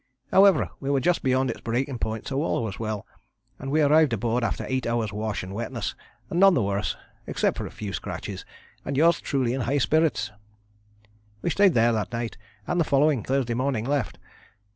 However, we were just beyond its breaking point, so all was well, and we arrived aboard after eight hours' wash and wetness, and none the worse, except for a few scratches, and yours truly in high spirits. We stayed there that night, and the following, Thursday, morning left.